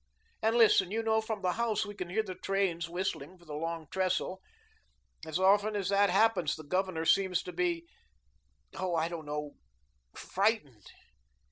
And, listen, you know, from the house we can hear the trains whistling for the Long Trestle. As often as that happens the Governor seems to be oh, I don't know, frightened.